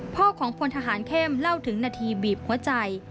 พ่อของพลทหารเข้มเล่าถึงนาทีบีบหัวใจ